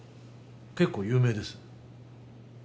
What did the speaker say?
結構有名です